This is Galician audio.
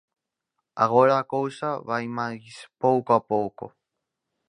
Agora a cousa vai máis pouco a pouco.